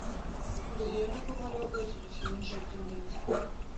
У рэгіёнах вымалёўваецца зусім іншая тэндэнцыя.